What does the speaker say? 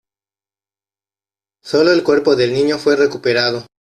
Sólo el cuerpo del niño fue recuperado.